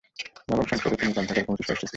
নবম সংসদে তিনি গ্রন্থাগার কমিটির সদস্য ছিলেন।